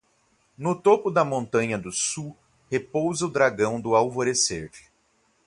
No topo da montanha do sul, repousa o dragão do alvorecer.